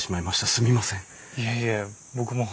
すみません。